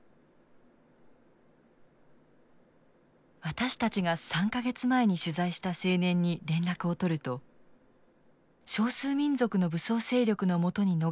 私たちが３か月前に取材した青年に連絡を取ると少数民族の武装勢力のもとに逃れ